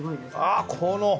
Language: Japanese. ああこの。